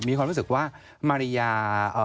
มีความรู้สึกว่ามาริยา